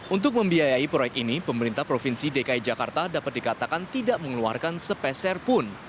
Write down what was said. untuk membiayai proyek ini pemerintah provinsi dki jakarta dapat dikatakan tidak mengeluarkan sepeserpun